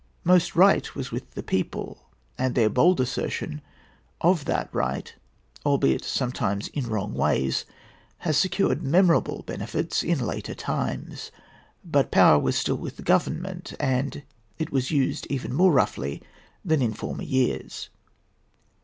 Most right was with the people, and their bold assertion of that right, albeit sometimes in wrong ways, has secured memorable benefits in later times; but power was still with the Government, and it was used even more roughly than in former years.